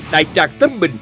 đại tràng tâm bình